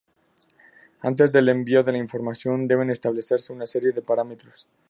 Antes del envío de la información, deben establecerse una serie de parámetros.